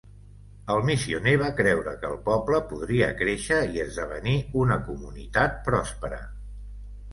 El missioner va creure que el poble podria créixer i esdevenir una comunitat pròspera.